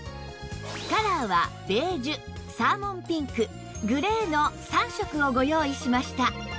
カラーはベージュサーモンピンクグレーの３色をご用意しました